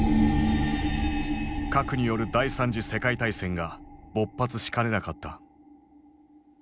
核による第三次世界大戦が勃発しかねなかった。